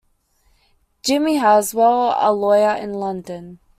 'Jimmie Haswell', a lawyer in London.